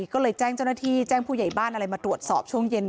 ก็เลยแจ้งเจ้าหน้าที่แจ้งผู้ใหญ่บ้านอะไรมาตรวจสอบช่วงเย็น